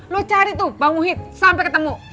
lo cari tuh banguhin sampai ketemu